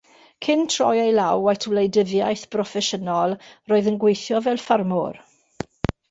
Cyn troi ei law at wleidyddiaeth broffesiynol, roedd yn gweithio fel ffarmwr.